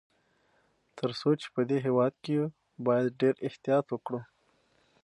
تر څو چي په دې هیواد کي یو، باید ډېر احتیاط وکړو.